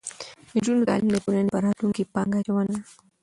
د نجونو تعلیم د ټولنې په راتلونکي پانګه اچونه ده.